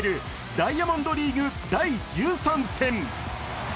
ダイヤモンドリーグ第１３戦。